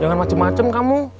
jangan macem macem kamu